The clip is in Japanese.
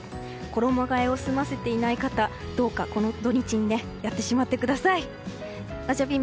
衣替えを済ませていない方どうかこの土日にやってしまってください。